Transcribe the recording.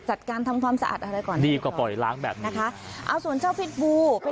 จัดการทำความสะอาดอะไรก่อน